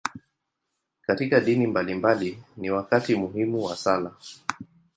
Katika dini mbalimbali, ni wakati muhimu wa sala.